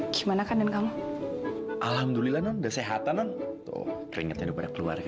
gimana kan dan kamu alhamdulillah nanda sehatan atau keringatnya kepada keluarga